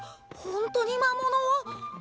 ほんとに魔物。